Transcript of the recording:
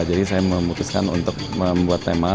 jadi saya memutuskan untuk membuat tema